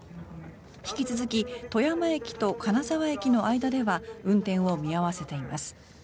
引き続き富山駅と金沢駅の間では運転を見合わせています。